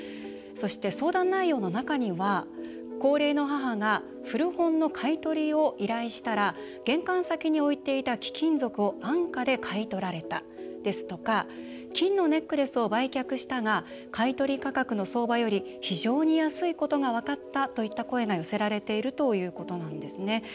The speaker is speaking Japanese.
相談内容の中には「高齢の母が古本の買い取りを依頼したら玄関先に置いていた貴金属を安価で買い取られた」ですとか「金のネックレスを売却したが買い取り価格の相場より非常に安いことが分かった」といった声が寄せられているということなんですね。